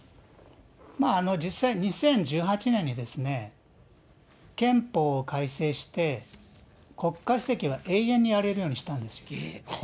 まあ実際、２０１８年に、憲法を改正して、国家主席が永遠にやれるようにしたんです。